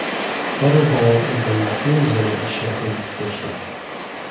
Meadowhall is in the same zone as Sheffield station.